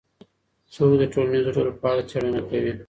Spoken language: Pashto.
څوک د ټولنیزو ډلو په اړه څېړنه کوي؟